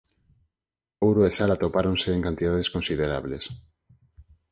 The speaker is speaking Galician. Ouro e sal atopáronse en cantidades considerables.